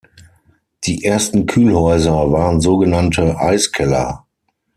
Die ersten Kühlhäuser waren so genannte Eiskeller.